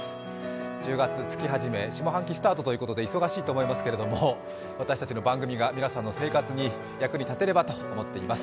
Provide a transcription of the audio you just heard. １０月、月初め下半期スタートということで忙しいと思いますけど私たちの番組が皆さんの生活に役に立てればと思っています。